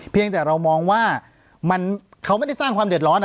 เพียงแต่เรามองว่าเขาไม่ได้สร้างความเดือดร้อน